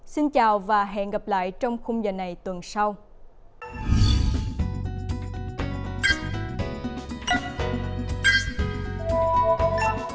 xin chào và hẹn gặp lại trong khung giành tập tiếp theo